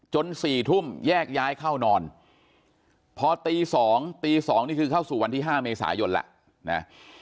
๔ทุ่มแยกย้ายเข้านอนพอตี๒ตี๒นี่คือเข้าสู่วันที่๕เมษายนแล้วนะ